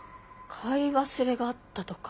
買い忘れがあったとか？